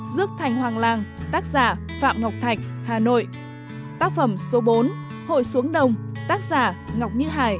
xuân hạnh phúc